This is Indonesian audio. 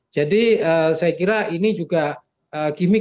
jadi saya kira ini juga gimmick gimmick